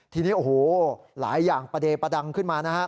ทีนี้หลายอย่างประเดประดังขึ้นมา